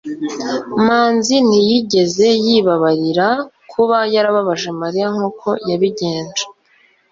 manzi ntiyigeze yibabarira kuba yarababaje mariya nk'uko yabigenje